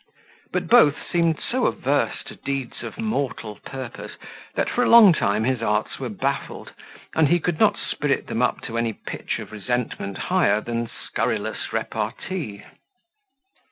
But both seemed so averse to deeds of mortal purpose, that for a long time his arts were baffled, and he could not spirit them up to any pitch of resentment higher than scurrilous repartee.